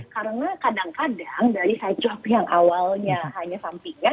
karena kadang kadang dari side job yang awalnya hanya sampingnya